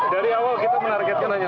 dari awal kita menargetkan hanya